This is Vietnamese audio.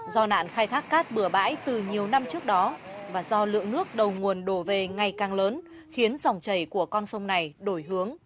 do nạn khai thác cát bừa bãi từ nhiều năm trước đó và do lượng nước đầu nguồn đổ về ngày càng lớn khiến dòng chảy của con sông này đổi hướng